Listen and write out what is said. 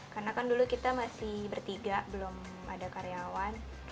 karena kan dulu kita masih bertiga belum ada karyawan